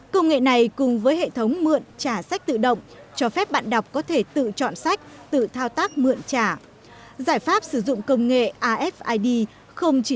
công nghệ này cùng với hệ thống mượn trả sách tự động cho phép bạn đọc có thể tự chọn sách tự thao tác mượn trả